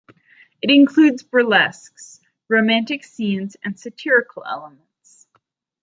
It includes burlesques, romantic scenes and satirical elements.